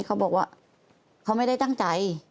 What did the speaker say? เขาบอกว่าเขาไม่ได้ตั้งใจ